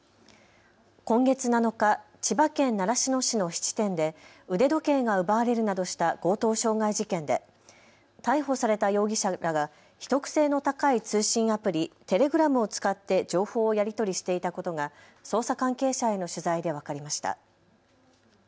今月７日、千葉県習志野市の質店で腕時計が奪われるなどした強盗傷害事件で逮捕された容疑者らが秘匿性の高い通信アプリ、テレグラムを使って情報をやり取りしていたことが捜査関係者への取材で分かりました。